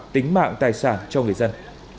tính mạng tài sản cho người dân